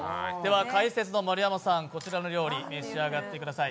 解説の丸山さん、こちらの料理を召し上がってください。